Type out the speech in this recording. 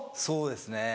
そうですね。